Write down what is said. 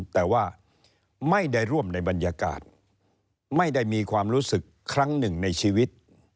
แต่ว่าไม่ได้ร่วมในบรรยากาศไม่ได้มีความรู้สึกครั้งหนึ่งในชีวิต